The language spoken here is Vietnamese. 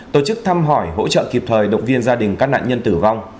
tổ chức thăm hỏi hỗ trợ kịp thời động viên gia đình các nạn nhân tử vong